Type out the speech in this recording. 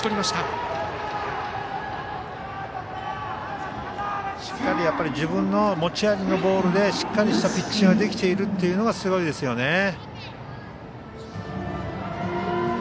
しっかり自分の持ち味のボールでしっかりしたピッチングができているというのがすごいですよね。